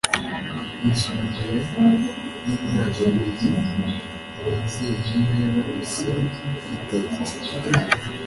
yisumbuye…Nimyaka ibiri abavyeyi be bose bitavye